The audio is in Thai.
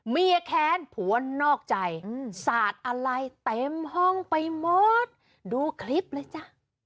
แค้นผัวนอกใจสาดอะไรเต็มห้องไปหมดดูคลิปเลยจ้ะ